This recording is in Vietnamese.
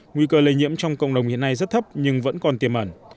nguy cơ lây nhiễm trong cộng đồng hiện nay rất thấp nhưng vẫn còn tiềm ẩn